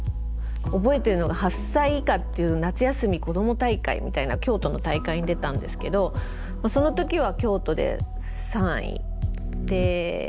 覚えてるのが８歳以下っていう夏休み子ども大会みたいな京都の大会に出たんですけどその時は京都で３位で。